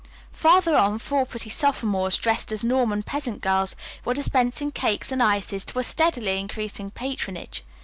Farther on four pretty sophomores, dressed as Norman peasant girls, were dispensing cakes and ices to a steadily increasing patronage.